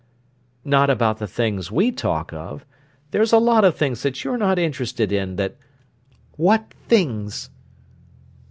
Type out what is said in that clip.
"Not about the things we talk of. There's a lot of things that you're not interested in, that—" "What things?"